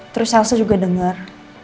terus elsa juga denger